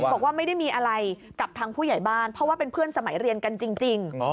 บอกว่าไม่ได้มีอะไรกับทางผู้ใหญ่บ้านเพราะว่าเป็นเพื่อนสมัยเรียนกันจริง